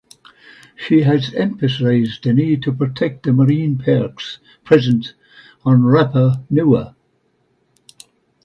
She has emphasized the need to protect the marine parks present on Rapa Nui.